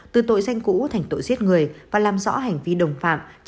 từ tội danh cũ thành tội giết người và làm rõ hành vi đồng phạm